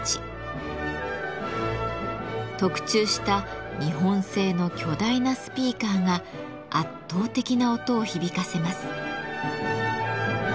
特注した日本製の巨大なスピーカーが圧倒的な音を響かせます。